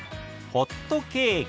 ホットケーキ。